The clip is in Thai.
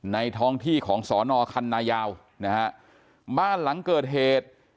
ในท้องที่ของสนคันนายาวบ้านหลังเกิดเหตุ